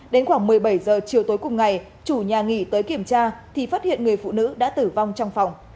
đến khoảng một mươi bảy h chiều tối cùng ngày chủ nhà nghỉ tới kiểm tra thì phát hiện người phụ nữ đã tử vong trong phòng